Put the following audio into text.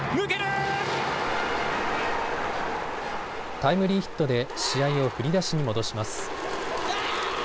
タイムリーヒットで試合を振り出しに戻します。